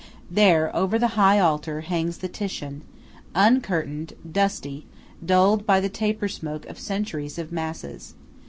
There, over the high altar, hangs the Titian, uncurtained, dusty, dulled by the taper smoke of centuries of masses.